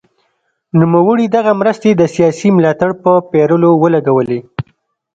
نوموړي دغه مرستې د سیاسي ملاتړ په پېرلو ولګولې.